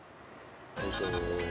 よいしょ。